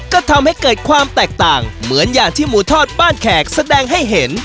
ก็ทำให้เกิดความแตกต่างเหมือนอย่างที่หมูทอดบ้านแขกแสดงให้เห็น